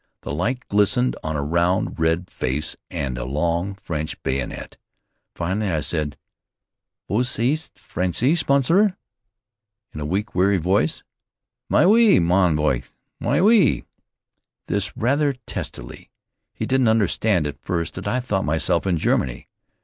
The light glistened on a round, red face and a long French bayonet. Finally I said, "Vous êtes Français, monsieur?" in a weak, watery voice. "Mais oui, mon vieux! Mais oui!" this rather testily. He didn't understand at first that I thought myself in Germany.